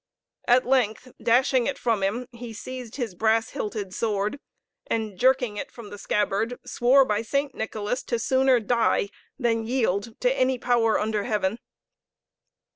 At length, dashing it from him, he seized his brass hilted sword, and jerking it from the scabbard, swore by St. Nicholas to sooner die than yield to any power under heaven.